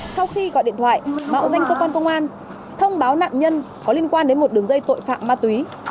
sau khi gọi điện thoại mạo danh cơ quan công an thông báo nạn nhân có liên quan đến một đường dây tội phạm ma túy